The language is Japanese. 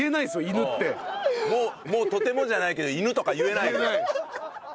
もうとてもじゃないけど犬とか言えないよ。